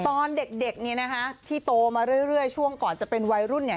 ตอนเด็กเนี่ยนะคะที่โตมาเรื่อยช่วงก่อนจะเป็นวัยรุ่นเนี่ย